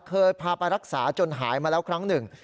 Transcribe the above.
เคยพาไปรักษาจนหายมาแล้วครั้งหนึ่ง